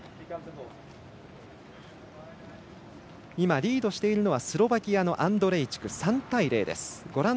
リードしているのはスロバキアのアンドレイチク３対０。